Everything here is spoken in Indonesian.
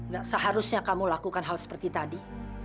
gak seharusnya kamu lakukan hal seperti tadi